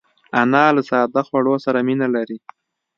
انا له ساده خوړو سره مینه لري